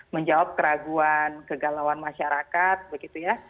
menjawab keraguan kegalauan masyarakat begitu ya